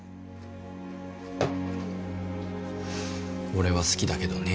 俺は好きだけどね